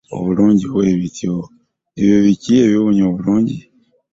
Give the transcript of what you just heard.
Ebyo biki ebiwunya obulungi bwe bityo.